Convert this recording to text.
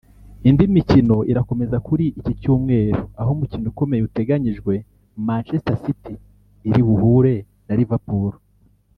Indi mikino irakomeza kuri iki cyumweru aho umukino ukomeye uteganyijwe Manchester City iribuhure na Liverpool